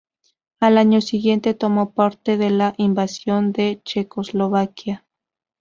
Al año siguiente tomó parte en la invasión de Checoslovaquia.